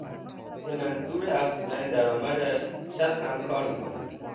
به منظور افزودن درآمدش شب هم کار میکند.